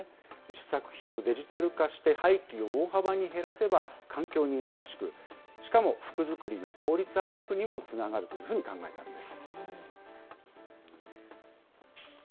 試作品をデジタル化して、廃棄を大幅に減らせば、環境に優しく、しかも服作りの効率アップにもつながるという考えたんです。